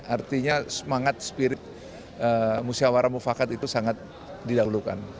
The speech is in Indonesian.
artinya semangat spirit musyawara mufakat itu sangat dilalukan